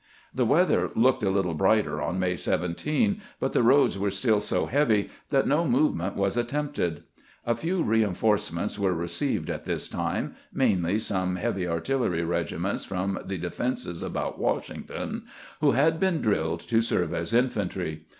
The weather looked a little brighter on May 17, but the roads were still so heavy that no movement was attempted. A few reinforcements were received at this time, mainly some heavy artillery regiments from the defenses about Washington, who had been drilled to serve as infantry.